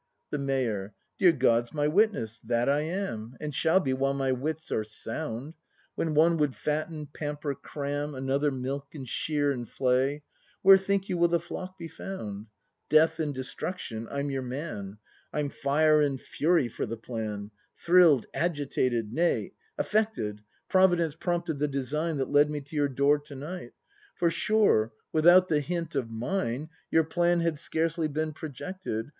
The Mayor. Dear God's my witness, that I am! And shall be while my wits are sound! When one would fatten, pamper, cram, — Another milk and shear and flay, — Where, think you, will the flock be found ? Death and destruction, I'm your man! I'm fire and fury for the plan! Thrill'd, agitated, nay, affected! Providence prompted the design That led me to your door to night, For sure, without the hint of mine Your plan had scarcely been projected.